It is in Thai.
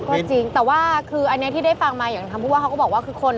ก็จริงแต่ว่าคืออันนี้ที่ได้ฟังมาอย่างคำพูดว่าเขาก็บอกว่าคือคน